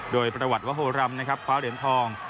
โดยประวัติวโฮรัมคว้าเหรียญทอง